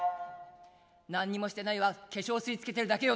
『何にもしてないわ化粧水つけてるだけよ』